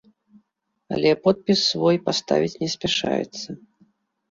Але подпіс свой паставіць не спяшаецца.